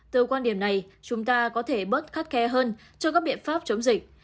từ quan điểm này chúng ta có thể bớt khắt khe hơn cho các biện pháp chống dịch